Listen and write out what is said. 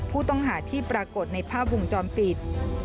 ผู้ต้องหาที่ปรากฏในภาพวงจรปิด